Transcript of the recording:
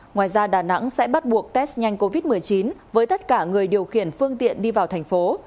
ngoài ra đà nẵng sẽ bắt buộc test nhanh covid một mươi chín với tất cả người điều khiển phương tiện đi vào thành phố